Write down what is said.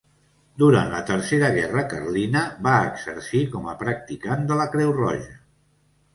Durant la tercera guerra carlina va exercir com a practicant de la Creu Roja.